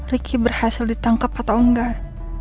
ricky berhasil ditangkap atau enggak